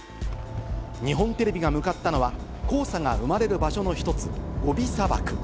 日本テレビが向かったのは、黄砂が生まれる場所の一つ、ゴビ砂漠。